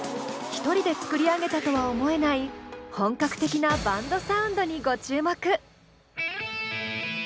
１人で作り上げたとは思えない本格的なバンドサウンドにご注目！